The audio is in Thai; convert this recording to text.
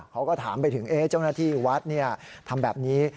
เขาก็ถามไปถึงเจ้าหน้าที่วัดทำแบบนี้